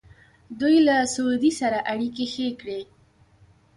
دوی له سعودي سره اړیکې ښې کړې.